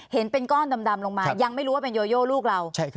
เห็นเป็นก้อนดำลงมายังไม่รู้ว่าเป็นโยโยลูกเรา